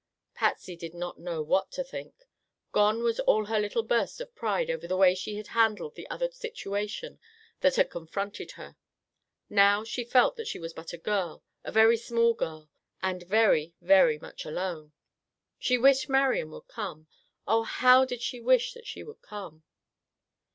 Patsy did not know what to think. Gone was all her little burst of pride over the way she had handled the other situation that had confronted her. Now she felt that she was but a girl, a very small girl, and very, very much alone. She wished Marian would come. Oh, how she did wish that she would come!